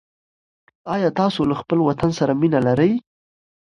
آیا تاسو له خپل وطن سره مینه لرئ؟